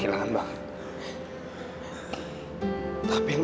itu pun umur ya disini